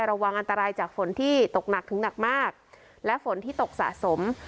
ระวังอันตรายจากฝนที่ตกหนักถึงหนักมากและฝนที่ตกสะสม